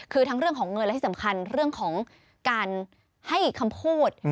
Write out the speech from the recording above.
คือทั้งเรื่องของเงินและที่สำคัญเรื่องของการให้คำพูด